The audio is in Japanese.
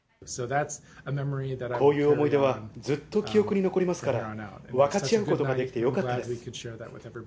こういう思い出はずっと記憶に残りますから、分かち合うことができてよかったです。